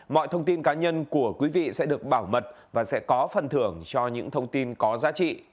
mọi thông tin cá nhân của quý vị sẽ được bảo mật và sẽ có phần thưởng cho những thông tin có giá trị